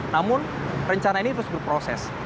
namun rencana ini terus berproses